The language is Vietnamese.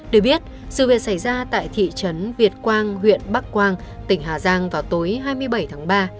được biết sự việc xảy ra tại thị trấn việt quang huyện bắc quang tỉnh hà giang vào tối hai mươi bảy tháng ba